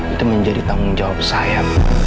itu menjadi tanggung jawab saya